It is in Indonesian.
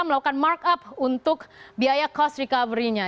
melakukan mark up untuk biaya cost recovery nya